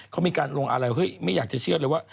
เขามีการลงอะไรเฮ้ยไม่อยากจะเชื่อเลยว่า